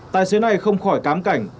tài xế này không khỏi cám cảnh